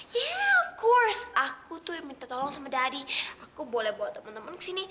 ya tentu aku tuh minta tolong sama daddy aku boleh bawa temen temen kesini